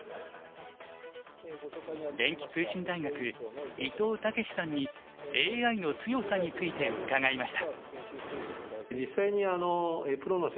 電気通信大学伊藤毅志さんにＡＩの強さについて伺いました。